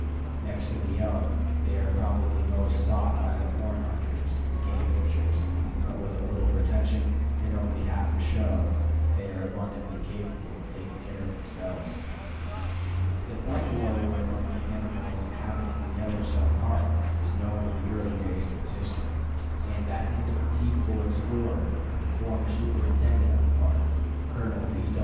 Next to the elk, they are probably most sought by the horn hunters and game butchers; but with a little protection, and only half a show, they are abundantly capable of taking care of themselves. That buffalo were among the animals inhabiting the Yellowstone Park was known in the early days of its history; and that indefatigable explorer and former superintendent of the Park, Colonel P.